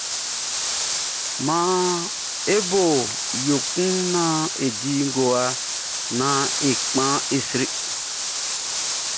Maan e bo yo kun e di ngowa, nán e kpan, e sri.